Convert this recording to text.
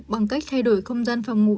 bằng cách thay đổi không gian phòng ngủ